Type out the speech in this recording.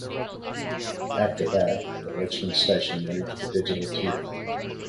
After that, the Richmond station moved to the digital tier.